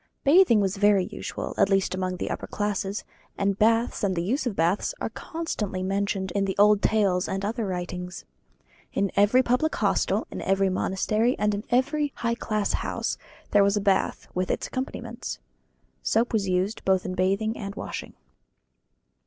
Bathing was very usual, at least among the upper classes, and baths and the use of baths are constantly mentioned in the old tales and other writings. In every public hostel, in every monastery, and in every high class house, there was a bath, with its accompaniments. Soap was used both in bathing and washing.